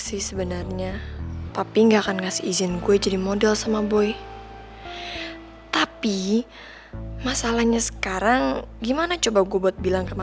siapa tau disana ada yang tau anak anak lagi pada dimana